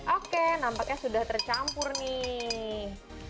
oke nampaknya sudah tercampur nih